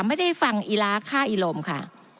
ไม่ได้ฟังอีลาข้าอีลมค่ะ